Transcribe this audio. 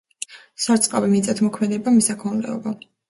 სარწყავი მიწათმოქმედება, მესაქონლეობა.